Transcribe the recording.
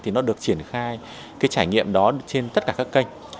thì nó được triển khai cái trải nghiệm đó trên tất cả các kênh